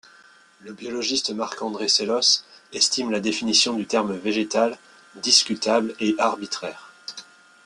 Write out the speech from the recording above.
Le biologiste Marc-André Selosse estime la définition du terme végétal discutable et arbitraire.